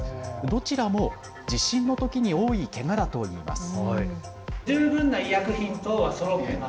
どちらも地震のときに多いけがといいます。